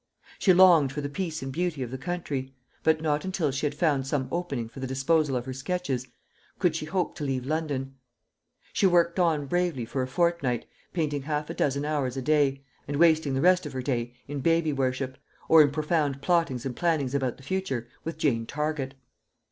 She longed for the peace and beauty of the country; but not until she had found some opening for the disposal of her sketches could she hope to leave London. She worked on bravely for a fortnight, painting half a dozen hours a day, and wasting the rest of her day in baby worship, or in profound plottings and plannings about the future with Jane Target.